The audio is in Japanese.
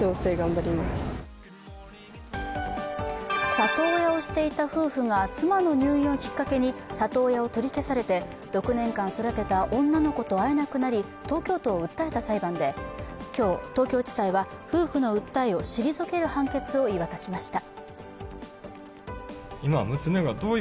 里親をしていた夫婦が妻の入院をきっかけに里親を取り消されて、６年間育てた女の子と会えなくなり、東京都を訴えた裁判で今日、東京地裁は夫婦の訴えを退ける判決を言い渡しました。